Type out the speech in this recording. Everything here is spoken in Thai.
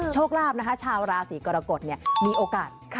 โชคลาภนะคะชาวราศีกรกฎมีโอกาส